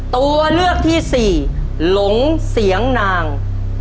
ตัวเลือกที่สี่หลงเสียงนาง